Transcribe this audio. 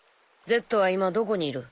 Ｚは今どこにいる？